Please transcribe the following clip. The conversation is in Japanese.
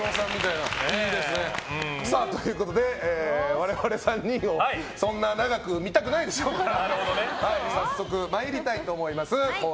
我々３人をそんな長く見たくないでしょうから早速参りたいと思います。